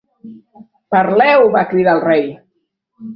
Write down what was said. "Parleu!", va cridar el Rei.